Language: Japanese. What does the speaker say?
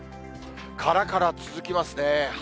からから続きますね。